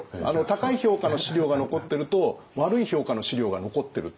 高い評価の史料が残ってると悪い評価の史料が残ってる。